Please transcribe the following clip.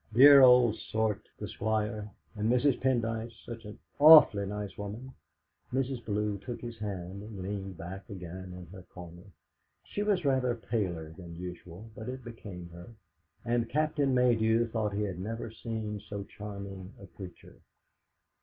Dear old sort, the Squire, and Mrs. Pendyce such an awf'ly nice woman." Mrs. Bellew took his hand, and leaned back again in her corner. She was rather paler than usual, but it became her, and Captain Maydew thought he had never seen so charming a creature.